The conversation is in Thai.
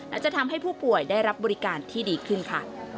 อาจจะทำให้ผู้ป่วยได้รับบริการที่ดีขึ้นค่ะ